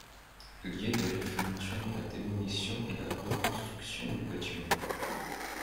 Il y est d'ailleurs fait mention de la démolition et la reconstruction du bâtiment.